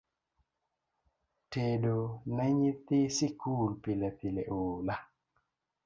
Tedo ne nyithi sikul pilepile oola